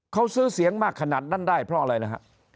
เขาซื้อเสียงมากขนาดนั้นได้เพราะอะไรนะฮะ